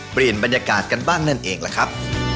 เปลี่ยนบรรยากาศกันบ้างนั่นเองล่ะครับ